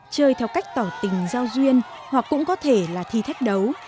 chơi theo cách tỏ tình giao duyên hoặc cũng có thể là thi thách đấu